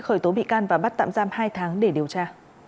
khởi tố bị can và bắt tạm giam hai tháng để điều tra